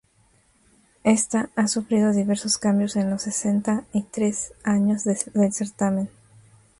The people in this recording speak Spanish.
Ésta ha sufrido diversos cambios en los sesenta y tres años del certamen.